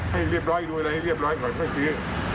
ให้เรียบร้อยดูอะไรให้เรียบร้อยก่อนค่อยเสีย